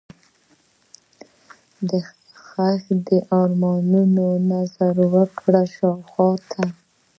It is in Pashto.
ښخ دي ارمانونه، نظر وکړه شاوخواته